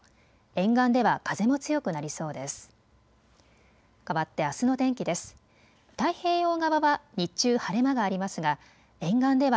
沿岸では風も強くなりそうです。